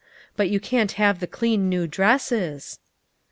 But you can't have the clean new dresses."